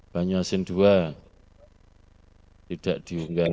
banyuasin ii tidak diunggah